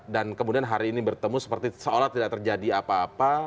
dan kemudian hari ini bertemu seperti seolah tidak terjadi apa apa